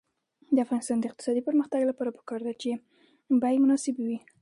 د افغانستان د اقتصادي پرمختګ لپاره پکار ده چې بیې مناسبې وي.